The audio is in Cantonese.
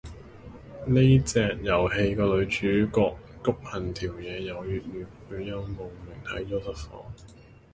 呢隻遊戲個女主角谷恆條嘢有粵語配音，慕名睇咗實況